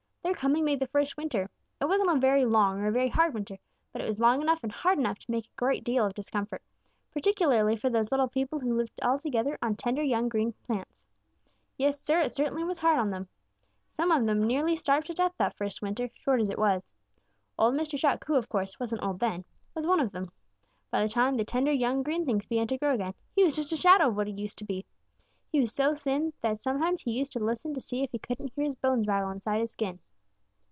Their coming made the first winter. It wasn't a very long or a very hard winter, but it was long enough and hard enough to make a great deal of discomfort, particularly for those little people who lived altogether on tender young green plants. Yes, Sir, it certainly was hard on them. Some of them nearly starved to death that first winter, short as it was. Old Mr. Chuck, who, of course, wasn't old then, was one of them. By the time the tender, young, green things began to grow again, he was just a shadow of what he used to be. He was so thin that sometimes he used to listen to see if he couldn't hear his bones rattle inside his skin.